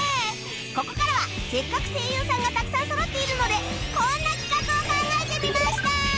ここからはせっかく声優さんがたくさんそろっているのでこんな企画を考えてみました！